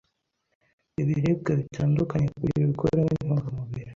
ibiribwa bitandukanye kugira ubikuremo intunga mubiri